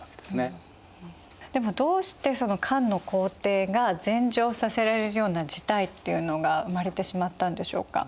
でもどうしてその漢の皇帝が禅譲させられるような事態っていうのが生まれてしまったんでしょうか？